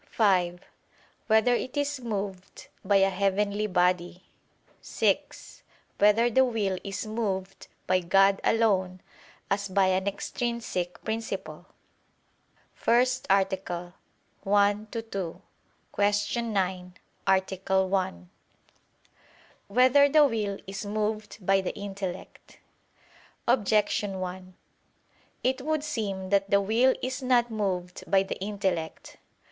(5) Whether it is moved by a heavenly body? (6) Whether the will is moved by God alone as by an extrinsic principle? ________________________ FIRST ARTICLE [I II, Q. 9, Art. 1] Whether the Will Is Moved by the Intellect? Objection 1: It would seem that the will is not moved by the intellect.